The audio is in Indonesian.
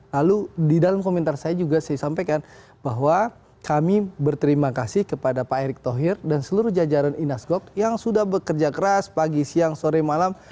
lalu di dalam komentar saya juga saya sampaikan bahwa kami berterima kasih kepada pak erick thohir dan seluruh jajaran inas gok yang sudah bekerja keras pagi siang sore malam